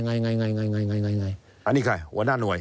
ไงไงอันนี้ใครหัวหน้าหน่วย